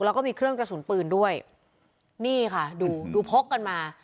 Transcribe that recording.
แล้วก็มีเครื่องกระสุนปืนด้วยนี่ค่ะดูดูพกกันมา